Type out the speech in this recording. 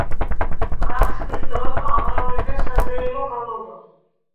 გახსნის დროს აღავლინეს საზეიმო გალობა.